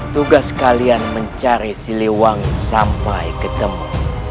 tugas kalian mencari siliwang sampai ketemu